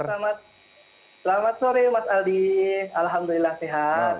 selamat sore mas aldi alhamdulillah sehat